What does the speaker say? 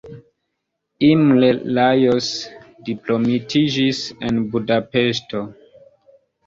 Imre Lajos diplomitiĝis en Budapeŝto.